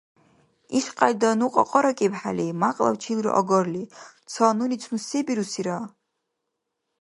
Ишкьяйда ну кьакьаракӀибхӀели, мякьлав чилра агарли, ца нуницун се бирусира?